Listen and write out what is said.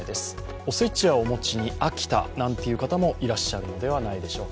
おせちやお餅に飽きたなんていう方もいらっしゃるのではないでしょうか。